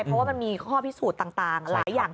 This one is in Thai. เพราะว่ามันมีข้อพิสูจน์ต่างหลายอย่าง